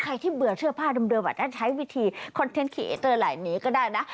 ที่เบื่อเสื้อผ้าเดิมอาจจะใช้วิธีคอนเทนต์ขี่เอเตอร์หลายนี้ก็ได้นะ